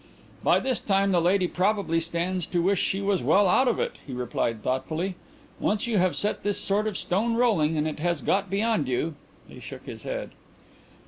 "By this time the lady probably stands to wish she was well out of it," he replied thoughtfully. "Once you have set this sort of stone rolling and it has got beyond you " He shook his head.